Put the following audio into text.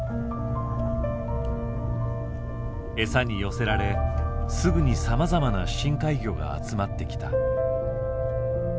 餌に寄せられすぐにさまざまな深海魚が集まってきた。